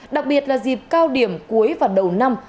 đặc biệt là dịp cao điểm cuối và đầu năm